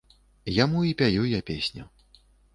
Яму і пяю я песню.